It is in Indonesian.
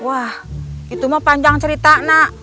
wah itu mah panjang cerita nak